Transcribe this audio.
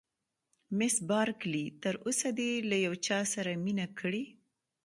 مس بارکلي: تر اوسه دې له یو چا سره مینه کړې؟